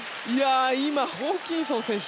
今、ホーキンソン選手